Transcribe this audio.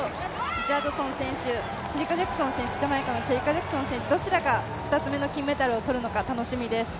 リチャードソン選手、ジャマイカのシェリカ・ジャクソン選手、どちらが２つめの金メダルをとるのか楽しみです。